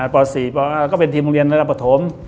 ป๔ปก็เป็นทีมโรงเรียนระดับปฐม